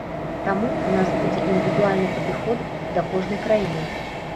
Таму, у нас будзе індывідуальны падыход да кожнай краіны.